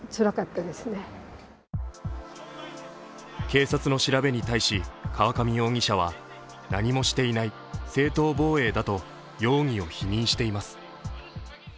警察の調べに対し、河上容疑者は何もしていない正当防衛だと容疑を否認しています。